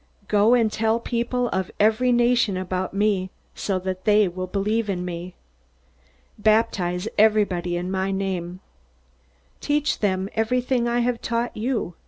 Go and tell people of every nation about me, so that they will believe in me. Baptize everybody in my name. Teach them everything that I have taught you.